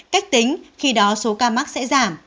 cách tính khi đó số ca mắc sẽ giảm